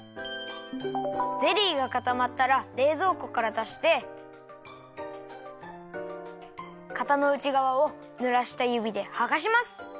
ゼリーがかたまったられいぞうこからだしてかたのうちがわをぬらしたゆびではがします。